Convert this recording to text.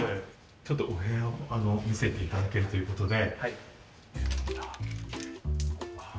ちょっとお部屋を見せていただけるということで。